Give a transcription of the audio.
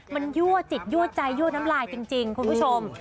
มันยั่วจิตยั่วใจยั่วน้ำลายจริงคุณผู้ชม